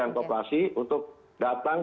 yang koplasi untuk datang